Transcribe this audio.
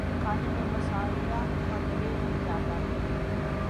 کھانے میں مصالحہ قدرے زیادہ ہے